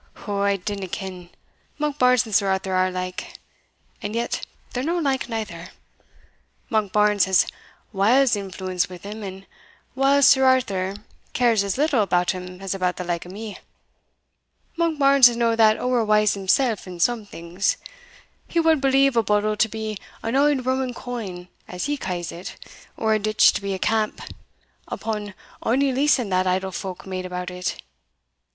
"Ou, I dinna ken Monkbarns and Sir Arthur are like, and yet they're no like neither. Monkbarns has whiles influence wi' him, and whiles Sir Arthur cares as little about him as about the like o' me. Monkbarns is no that ower wise himsell, in some things; he wad believe a bodle to be an auld Roman coin, as he ca's it, or a ditch to be a camp, upon ony leasing that idle folk made about it.